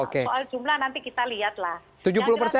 soal jumlah nanti kita lihatlah